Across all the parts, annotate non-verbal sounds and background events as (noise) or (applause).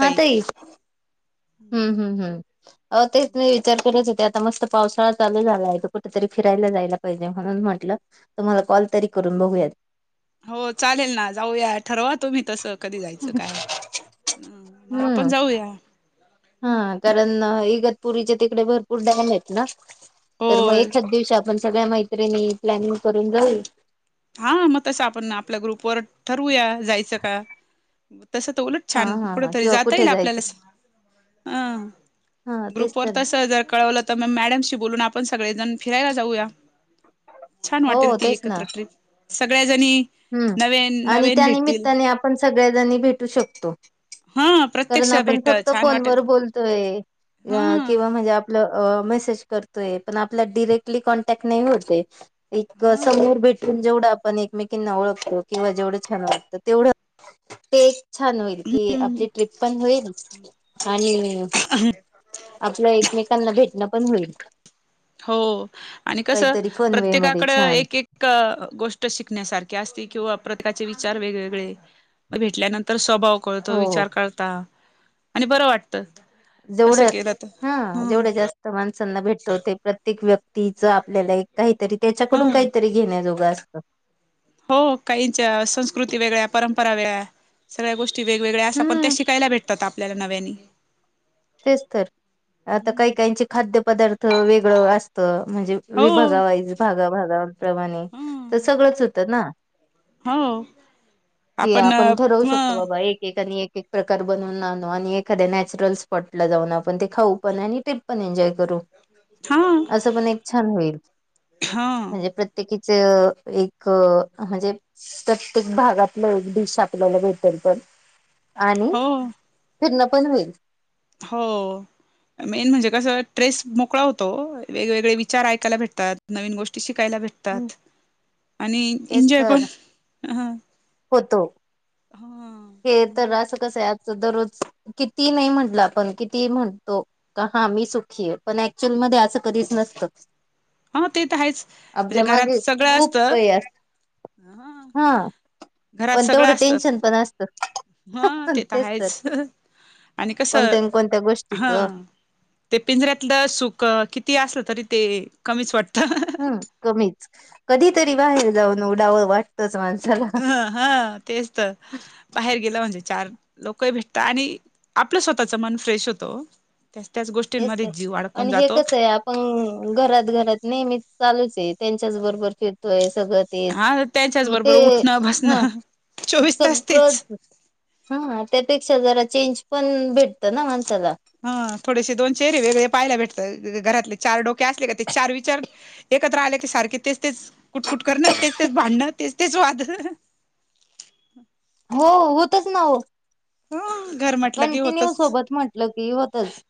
हा ताई हम्म हम्म हम्म. अ तेच मी विचार करत होते. आता मस्त पावसाळा चालू झालाय कुठेतरी फिरायला जायला. पाहिजे म्हणून म्हटलं तुम्हाला कॉल तरी करून बघूयात. हो चालेल ना, जाऊया ठरवा तुम्ही तसं. कधी जायचं काय, मग आपण हम्म. जाऊया. हा कारण इगतपुरीचे तिकडे भर पूर डैम आहेत ना. हो तर मग एच दिवशी आपण सगळ्या मैत्रिणी प्लॅनिंग करून जाऊ. हा मग तसं आपण आपल्या ग्रुपवर ठरवूया. जायचं का तसं तर उलटं हा छान हा कुठ हा तरी किंवा जाता कुठे येईल आपल्याला जायचं असं. अ हा तेच ग्रुप वर तर तसं जर कळवलं. तर मग मॅडमशी बोलून आपण सगळेजण फिरायला जाऊया. छान हो वाटेल ती तेच ना एकत्र ट्रिप. सगळ्याजणी. हम्म. आणि नवीन भेटतील त्यानिमित्ताने आपण सगळ्याजणी भेटू शकतो. हा कारण प्रत्यक्ष आपण भेट फक्त छान वाटेल फोनवर बोलतोय. हा किंवा म्हणजे आपलं मेसेज करतोय. पण आपल्या डिरेक्टली कॉन्टैक्ट नाही होते. एक समोर हा भेटून जेवढं आपण एकमेकींना ओळखतो. किंवा जेवढं छान वाटतं तेवढं. ते एक छान होईल. की आपली ट्रिप पण होईल आणि, (inaudible) आपलं एकमेकांना भेटणं पण होईल. हो आणि कसं काहीतरी फनवे मध्ये प्रत्येकाकडं छान एक एक. गोष्ट शिकण्यासारखी असती. किंवा प्रत्येकाचे विचार वेगवेगळे भेटल्यानं तर स्वभाव कळतो. हो विचार करता आणि बरं वाट त तस जेवढं केलं तर हा हम्. जेवढ्या जास्त माणसांना भेटत होते. प्रत्येक व्यक्तीचा आपल्याला एक काहीतरी त्यांच्याकडून हम्म काही, काही तरी घेण्याजोगं असतं. हो काहीचा संस्कृती वेगळ्या परंपरा वेगळ्या. सगळ्या गोष्टी वेगवेगळ्यां अशा पण हम्म त्या शिकायला भेटतात आपल्याला नव्याने. तेच तर आता काही काहीचे खाद्य पदार्थ वेगळं अस ध म्हणजे हो हो विभागावाईज भागाभागाप्रमाणे तर हं. सगळंच होतं ना. हो की आपण ठरवू शकतो. बाबा एक एकाने एक एक. प्रकार बनवून आणू आणि एखाद्या नॅचरलस. स्पॉट ला जाऊन आपण ते खाऊ पण आणि ट्रिप एन्जॉय करू. हा असं पण एक छान होईल. हा म्हणजे प्रत्य (unintelligible) एक म्हणजे. प्रत्येक भागातलं एक डिश आपल्याला भेटेल पण. आणि हो फिरणं पण होईल. ‌ हो. मेन म्हणजे कसं ट्रेस मोकळा होतो. वेगवेगळे विचार ऐकायला भेटतात नवीन गोष्टी शिकायला भेट तात आणि तेच एंजॉय पण तर ह. होतो. हा. हे तर असं कसं आहे. आज दररोज किती नाही म्हटलं आपण किती म्हणतो. का हा मी सुखी आहे. पण ऍक्च्युअल मध्ये असं कधीच नसतं. हा ते तर आहेच. म्हणजे आपल्या घरात मागे सगळं असत. खूप काही अस ह हा घरात पण सगळं तेवढं असतात. टेन्शन पण असतं हा ते तर आहेच आणि कसं कोणत्या न कोणत्या ह. गोष्टीच ते पिंजऱ्यातलं सुख किती असलं तरी ते कमीच वाटतं. हम्म. कमीच कधीतरी हा बाहेर जाऊन उडाव वाटतंच माणसाला. हा तेच तर. बाहेर गेला म्हणजे चार लोक भेटतात. आणि आपलं स्वतःच मन फ्रेश होतो. त्याच त्याच तेच गोष्टींमध्ये तर जीव अडकून आणि हे जातो. कसं आहे आपण घरात घरात नेहमीच चांलूच ये. त्यांच्याचबरोबर फिर टोय सगळं तेच हा त्याच्याच मग बरोबर ते उठणं हा बसणं चोवीस तास तेच सगळं. हा त्यापेक्षा जरा चेंज पण भेटतं ना माणसाला. हा थोडेसे दोन चेहरेवेगळे पाहायला भेटतात. घरातले चार डोके असले का चार विचार एक. एकत्र आले की सारखे तेच तेच कुटकुट करणं तेच तेच भांडणं तेच तेच वाद. हो होतंच ना हो. हं घर म्हटलं की कंटिन्यू होतच त्याच सोबत म्हटलं की होतंच.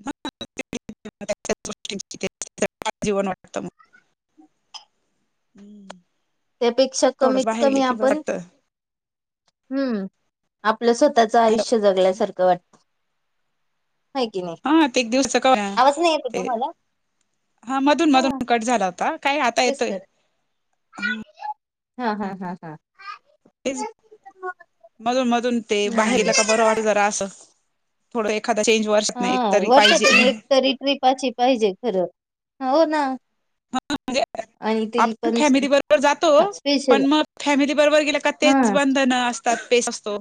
(unintelligible) (unintelligible) जीवन वाटत मग. त्यापेक्षा थोडस कमीत बाहेर कमी गेलं की आपण. बरं हम्म. आपलं स्वतःच वाटत आयुष्य जगल्यासारखं वाटत. हाय की नाही. हा ते एक दिवसाचं क आवाज नाही येत ते तुम्हाला? हा मधून हा मधून कट झाला होता. काय आता तेच येतोय. तर हम्म. हा हा हा हा. हेच मधूनमधून ते हम्म. बाहेरला का बरं वाटत जरा असं. थोडं एखादं चेंज वर्षातन हा एक तरी पाहिजे. वर्षातून एक तरी ट्रिप. पाची पाहिजे खरं हो ना. (unintelligible) म्हणजे. आणि ते आपण पण फॅमिली बरोबर जातो. स्पेशल पण मंग फॅमिली बरोबर गेलो का हा तेच बंधन अस तात तेच असतो.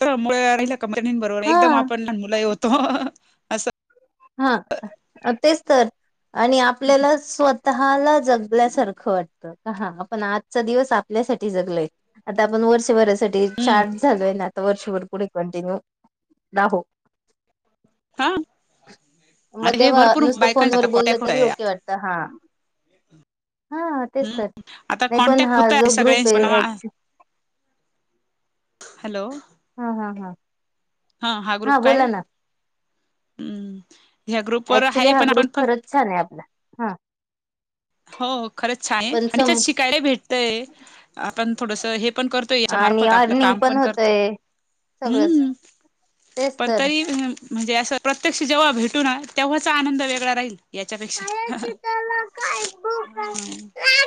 एकदम हा. आपण लहान मुलंही होतो. हह हा तेच तर आणि आपल्याला स्व स्वतःहाला जगल्यासारखं वाटतं. हा पण आजचा दिवस आपल्यासाठी जगलोय. आता आपण वर्षभरच. चार्ट झालंय ना आता वर्षभर पुढे कंटिन्यू राहो. (unintelligible) मग आता हे तेव्हा भरपूर नुसतं बायकांचे फोनवर आता बोलं कॉन्टॅक्ट होत तरी आहे ओके वाटत हा. हा तेच हम्म तर आता नाही पण कॉन्टॅक्ट हा होत आहे जो ग्रुप सगळ्यांशी आहे पण येच्यु हॅलो. हा हा हा. हा हा ग्रुप बोला काय. ना हम्म ह्या ग्रुप वर ऍक्च्युली हाय. हा पण ग्रुप आपण फ खरंच छान आहे आपला हा. हो खरंच छान आहे. पण आणि सम शिकायला भेटतंय आपण थोडंसं हे, पण करतोय. आणि याच्यामार्फत आपलं अर्निंग काम पण करतोय होतय सगळंच हम्म. तेच पण तर तरी मी म्हणजे असं. प्रत्यक्ष जेव्हा भेटू ना तेव्हाचा आनंद वेगळा राहील यांच्यापेक्षा. त्याला (unintelligible)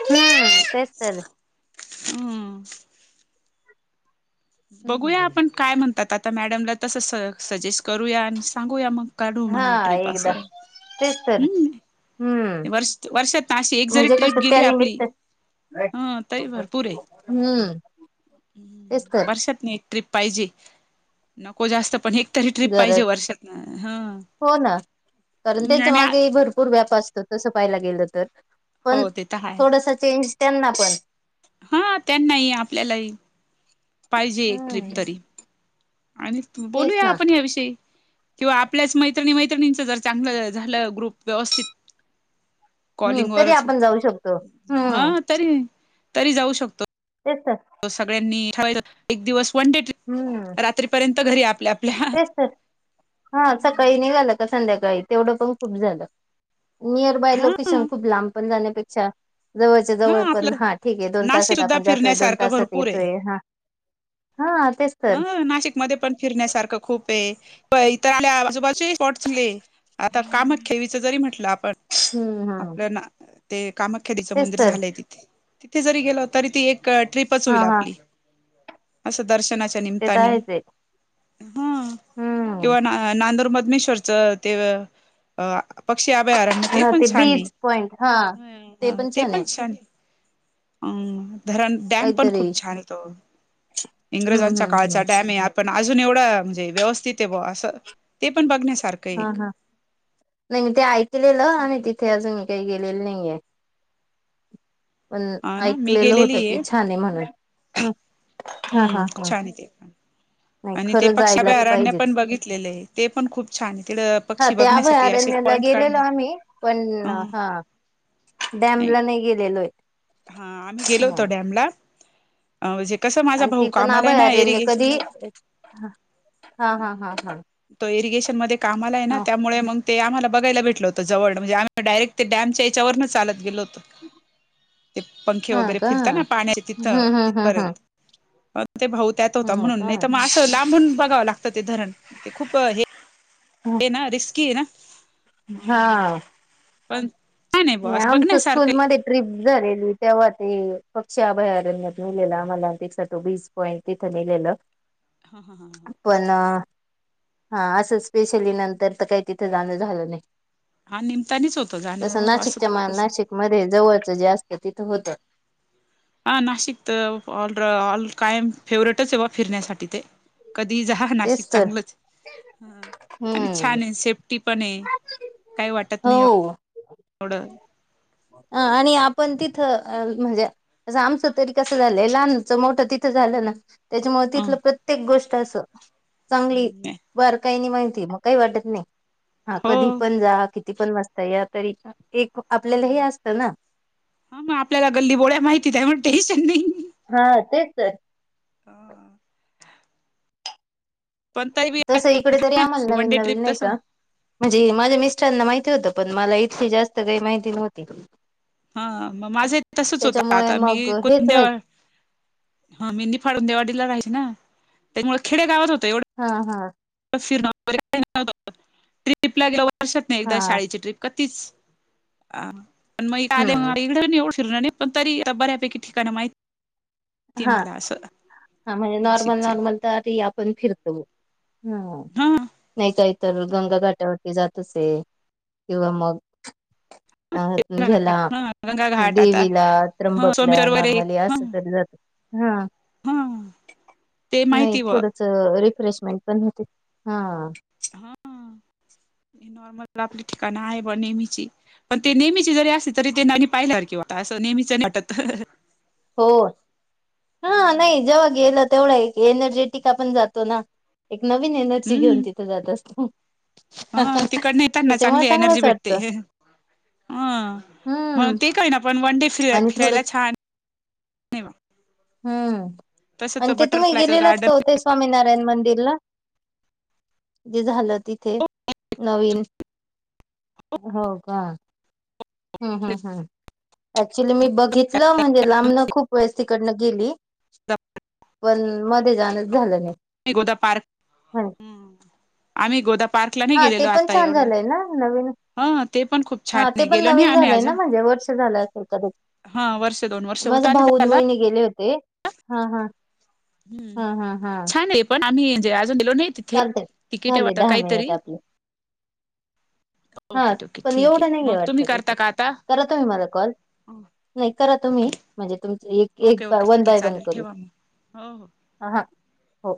तेच तर अम. बघूया आपण काय म्हणतात. आता मॅडमला तसं सजेस्ट करूया आणि सांगूया मग. काढू म्हणाव हा ट्रिप एकदा असं तेच तर हम. हम्म वर्ष वर्षातन अशी एक जरी म्हणजे ट्रिप कसं गेली आपली. त्यानिमित्त ह तरी भरपूर आहे हम्म. तेच तर वर्षात एक ट्रीप पाहिजे. नको जास्त पण एक. तरी ट्रीप गरज पाहिजे वर्षात ह हो ना कारण नाही त्यांच्या नाही. मागे भरपूर व्याप असत तसं पाहायला गेलं. तर पण हो ते तर आहे थोडस चेंज त्यांना पण. हा त्यांनाही आपल्यालाही पाहिजे एक ट्रीप हम्म तरी. आणि तेच बोलूया ना आपण याविषयी किंवा आपल्याच मैत्रिणी मैत्रिणींच जर. चांगलं झालं ग्रुप व्यवस्थित. हम्म कॉलिंग तरी वरचं आपण जाऊ शकतो हा हम्म तरी तरी जाऊ शकतो. तेच तर. तर सगळ्यांनी ठेवायच एक दिवस वन डे ट्रीप. हम्म. रात्रीपर्यंत घरी आपल्या आपल्या. तेच हा सकाळी निघालं का, संध्याकाळी तेवढं पण खूप झालं. नियर बाय हा लोकेशन खूप लांब पण जाण्यापेक्षा. जवळच्या जवळ पण हा ठीक आहे. दोन नाशिक तासात सुद्धा आपण जातोय दोन फिरण्यासारखं तासात भरपूर येतोय हा. हा तेच. तर अ नाशिकमध्ये पण फिरण्यासारखं खूप ये. इथ आल्या आजोबाचे स्पॉट चांगले. आता काम खेवीच जरी म्हटलं आपण. हम्म हम्म आपल्या ना. ते कामाख्या देवीचं तेच मंदिर तर झालंय तिथे. तिथे जरी गेलो तरी ती एक ट्रीप चं हा होईल हा आपली. असं दर्शनाच्या ते तर निम्तानी. आहेच आहे हा हम्म किंवा ना नांदूर मधनेश्वरचं ते. अ पक्षी अभयअरण्य ते हा पण छान ये. बीच पॉइंट हा ते पण छान ये अ. धरण डॅम पण काहीतरी खूप छानाय तो. हम्म इंग्रजांच्या हम्म हम्म काळचा डॅम आपण अजून एवढ म्हणजे व्यवस्थित ये बुवा असं ते पण बघण्या हा हा नाही मी ते ऐकलेलं आणि तिथे अजून ही. ते गेलेले नाहीे ये. पण हा ना मी ऐकलेलं होतं गेलेली की छान आहे म्हणून. हं, हा हा हम्म हा छान आहेे ते पण. नाही आणि ते खरं जायला तर पक्षाभयारण्य पण पाहिजेच बघितलेले आहे. ते पण खूप छान आहे तिकडं प हा ते अभयारणला गेलेलो आम्ही, पण अ हा डॅम ला नाही गेलेलोय. हा आम्ही गेलो हा. होतो डॅम ला. अ जे कसं माझा आणि भाऊ ती पण कामाला ना अभयारण्य कधी इरिगेशनला. हा हा हा हा तो इरिगेशन मध्ये काम आला आहे ना, त्यामुळे मग ते आम्हाला बघायला भेटलं होतं जवळ म्हणजे आम्ही मग डायरेक्ट ते डॅमच्या याच्यावरून चालत गेलो होतो. ते पंखे हा वगैरे का? फिरतात पाण्या हम्म तिथं, हम्म हम्म तिथपर्यंत. हम्म. मग ते भाऊ त्यात होता हो म्हणून का? नाही तर मग असं लांबून बघावं लागतं ते धरण ते खूप हे. आहे ना रिस्की आहे ना? हा पण छान आहे बुवा आणि असं आमचं बघण्यासारखं आहे स्कूलमध्ये. ट्रीप झालेली तेव्हा ते, पक्षी अभयारण्यात मिलेला आम्हाला ते साठो बीस. होय तिथं नेलेलं. हा हा हा ह. पण हा असं स्पेशली नंतर तर काही तिथे जाणं झालं नाही. हा निमतानीच होतं जाणं हो असं कोणतस. किक मारे जवळचं जे असतं तिथं होतं हा नाशिकत ऑल ऑ कायम फेवरेटच आहे बा फिरण्यासाठी ते. कधी जाहा नाशिक तेच तर. चांगलंच. हा आणि हम्म छान आहे, सेफ्टी पण आहे काही वाटत नाही. अप हो. थोडं. अ आणि आपण तिथं म्हणजे. म्हणजे आमचं तरी कसं झालंय, लहानच मोठ तिथं झालं ना. त्याच्यामुळे ह तिथलं प्रत्येक गोष्ट असं चांगली बारकाईने माहितीय का, मग काही वाटत नाही हो कधी पण कि. किती पण वाजता या तरी, एक आपल्याला हे असतं ना. ह मग आपल्याला गल्ली बोळ्या माहिती आहे त्यामुळ टेन्शन नाही. हा तेच तर. हा तरी बी तस इकडे तरी आम्हाल वन डे नवीन ट्रिप नवीन नाही तस का. म्हणजे माझ्या मिस्टरांना माहिती होतं, पण मला इतकी जास्त काही माहिती नव्हती. हा मग माझं तसच होत त्याच्यामुळे आता मी मग हेच कोणद्या व्हायच ह मेंदी फाडून देवाडीला राहायची ना, त्याच्यामुळे खेडे गावात होत एवढं हा हा. फिरणे वगैरे, ट्रिपला गेला वर्षात ना एकदा हा शाळेची ट्रिप का तिच हा महिना आले हम्म फिरल नाही, उशिराने. पण तरी बऱ्यापैकी ठिकाण माहित हा हा, म्हणजे नॉर्मल नाशिकचे नॉर्मल तरी आपण फिरतो. हा हा, नाहीच आहेत. तर गंगा घाटावरती जात असेल किंवा मग. अ ते ह्याला गंगाघाट हा गंगाघाट आता देवीला ह त्र्यंबकला सोमेश्वर वगैरे नॉर्मली एक ह असं तरी जात. हा, ह ते नाही माहिती व थोड. थोडस रिफ्रेशमेंट पण होत, हा हा. हा नॉर्मल आपली ठिकाणं आहे ब नेहमीची. पण ते नेहमीची जरी असली तरी ते नवीन पाहिल्यासारखी वाटतात असं नेहमीच नाही वाटत. हो हा नाही जेव्हा गेलं तेवढं एक एनर्जेटिक जातो ना. एक नवीन एनर्जी घेऊन हम्म तिथं जात असतो. हा तिकडंन येताना त्याच्यामुळे चांगली एनर्जी चांगलंच भेटते. वाटतं हं मग हम्म ते काही ना पण वन डे फि आणि थोडं फिरायला छान. नाही हम्म तसं आणि तर ते तुम्ही बटरफ्लायचं गेलेलात गार्डन का ओ ते स्वामीनारायण मंदिरला. जे झालं तिथे नवीन हो का. हम् हम् हम् ऍक्च्युली मी बघितलं म्हणजे लांबनं खूप वेळेस तिकडनं गेली. (inaudible) पण मध्ये जाणच झालं नाही. गोदा म्हण पार्क आम्ही गोदा पार्क ला नाही गेलेलो आता एवढ्या. अवीन (unintelligible) हा ते पण खूप छान ये. पण नवीन झालंय ना वर्ष झालं असेल कदाचित हा वर्ष दोन वर्ष होत माझा आले भाऊ. त्याला ते गेले होते हा हा. हम्म हा हा हा छान आहे ते पण आम्ही जे अजून गेलो नाही. तिथे चालतय तिकिट आहे झाले वाटत दहा मिनिट काहीतरी. आपले हा ओके ओके पण ठीक एवढ नाही आहे. मग वाटत तुम्ही काहीतरी करता का आता करा तुम्ही मला कॉल. नाही करा तुम्ही ओके म्हणजे तुमच ऐक. ओके ओके ठीक आहे. चालेल ठेवा मग हो हो. हा. हो